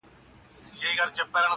شپږي څرنگه له سر څخه ټولېږي!!